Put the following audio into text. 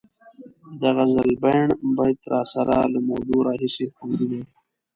د غزلبڼ بیت راسره له مودو راهیسې خوندي دی.